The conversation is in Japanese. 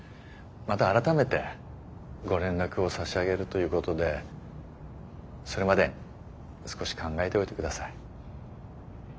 また改めてご連絡を差し上げるということでそれまで少し考えておいてください。